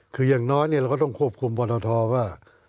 คือยังน้อยเราก็ต้องควบคุมพนธภวร์ว่า